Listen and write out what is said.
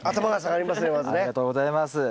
ありがとうございます。